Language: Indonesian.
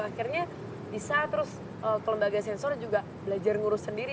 akhirnya bisa terus ke lembaga sensor juga belajar ngurus sendiri